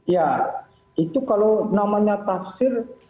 ya itu kalau namanya tafsir